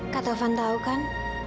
kak tovan tau kan